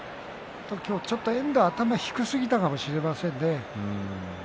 今日はちょっと遠藤は頭が低すぎたかもしれませんね。